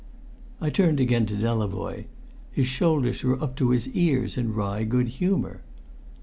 I turned again to Delavoye. His shoulders were up to his ears in wry good humour.